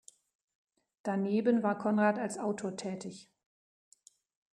Daneben war Konrad als Autor tätig.